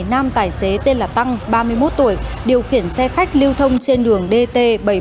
nam tài xế tên là tăng ba mươi một tuổi điều khiển xe khách lưu thông trên đường dt bảy trăm bốn mươi một